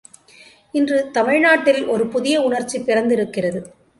இன்று தமிழ்நாட்டில் ஒரு புதிய உணர்ச்சி பிறந்திருக்கிறது.